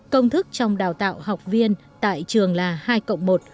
công thức trong đào tạo học viên tại trường là hai cộng một